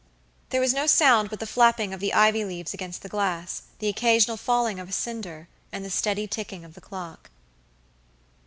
There was no sound but the flapping of the ivy leaves against the glass, the occasional falling of a cinder, and the steady ticking of the clock.